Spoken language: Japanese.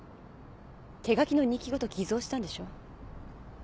手書きの日記ごと偽造したんでしょ？